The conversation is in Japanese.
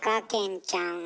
顕ちゃん。